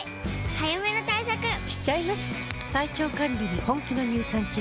早めの対策しちゃいます。